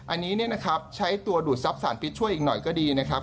อันนี้ใช้ตัวดูดซับสารพิษช่วยอีกหน่อยก็ดีนะครับ